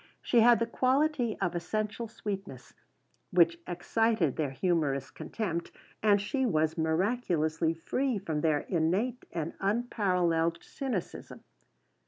She had the quality of essential sweetness which excited their humorous contempt, and she was miraculously free from their innate and unparalleled cynicism.